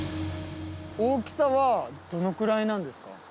大きさはどのくらいなんですか？